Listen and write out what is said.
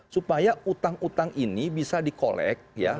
supaya utang utang ini bisa dikolek ya